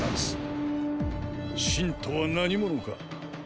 信とは何者か。